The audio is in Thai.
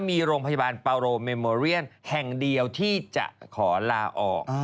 มีโรงพยาบาลปาโรเมโมเรียนแห่งเดียวที่จะขอลาออก